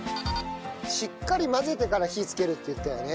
しっかり混ぜてから火つけるって言ったよね。